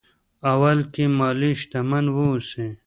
اول کې مالي شتمن واوسي.